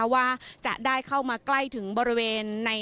ว่าจะได้เข้ามาใกล้ถึงบริเวณใน